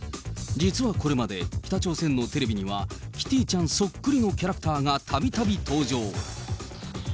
実はこれまで、北朝鮮のテレビには、キティちゃんそっくりのキャラクターがたびたび登場。